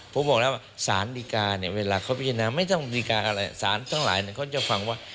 ผมบอกแล้วว่าสารดีการเนี่ยเวลาเขาพิจารณาไม่ต้องดีการอะไรสารทั้งหลายเขาจะฟังว่า